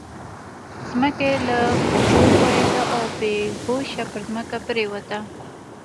ځمکه يې له پښو وښوېده او بې هوښه پر ځمکه پرېوته.